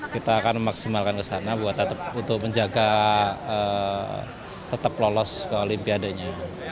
kita akan memaksimalkan ke sana untuk menjaga tetap lolos ke olimpiade nya